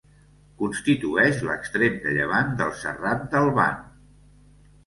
Constitueix l'extrem de llevant del Serrat del Ban.